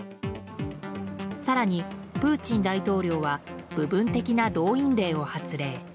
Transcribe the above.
更に、プーチン大統領は部分的な動員令を発令。